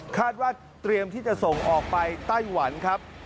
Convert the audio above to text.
คาดว่าเตรียมที่จะส่งออกไปไต้หวันครับ